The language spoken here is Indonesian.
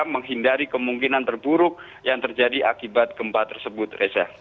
menghindari kemungkinan terburuk yang terjadi akibat gempa tersebut reza